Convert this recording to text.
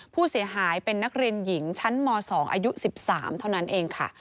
ผู้เสียหายเป็นนักเรียนหญิงชั้นม๒อายุ๑๓เท่านั้นเองค่ะ